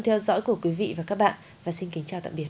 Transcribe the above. theo dõi của quý vị và các bạn và xin kính chào tạm biệt